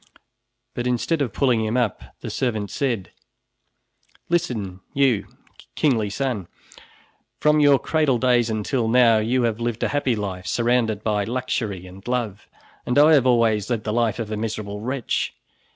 But instead of pulling him up, the servant said: "Listen, you, kingly son! From your cradle days until now you have lived a happy life, surrounded by luxury and love, and I have always led the life of a miserable wretch.